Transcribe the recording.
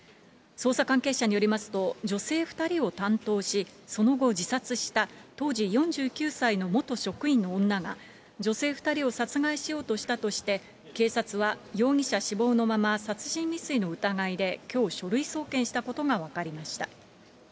捜査関係者によりますと、女性２人を担当し、その後、自殺した当時４９歳の元職員の女が女性２人を殺害しようとしたとして、警察は容疑者死亡のまま、殺人未遂の疑いできょう、書類送検したことが分かりました。